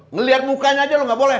ngeliat mukanya aja lu gak boleh